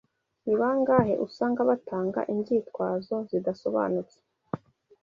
Ni bangahe usanga batanga inzitwazo zidasobanutse